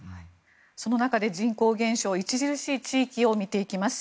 その中で人口減少が著しい地域を見ていきます。